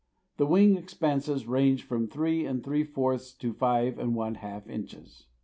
The wing expanse ranges from three and three fourths to five and one half inches.